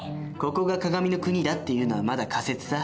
ここが鏡の国だっていうのはまだ仮説さ。